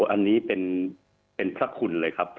อันนี้เป็นพระคุณเลยครับ